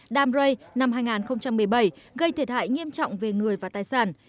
dam ray năm hai nghìn một mươi bảy gây thiệt hại nghiêm trọng về người và tài sản